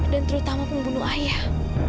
dan terutama pembunuh ayah